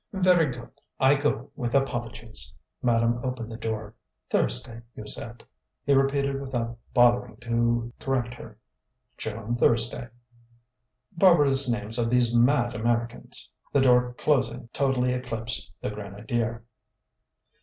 "Very good. I go, with apologies." Madame opened the door. "Thursday, you said?" He repeated without bothering to correct her: "Joan Thursday." "Barbarous names of these mad Americans!" The door, closing, totally eclipsed the grenadier.